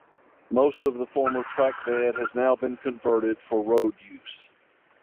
Most of the former trackbed has now been converted for road use.